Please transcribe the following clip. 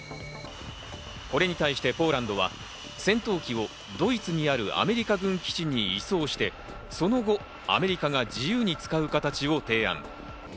これに対してポーランドは、戦闘機をドイツにあるアメリカ軍基地に移送して、その後、アメリカが自由に使う形を提案。